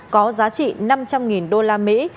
có giá trị năm trăm linh đô la mỹ